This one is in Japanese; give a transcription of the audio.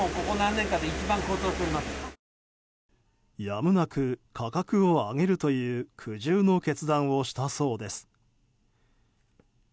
やむなく価格を上げるという苦渋の決断をしたそうです。